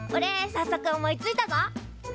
さっそく思いついたぞ！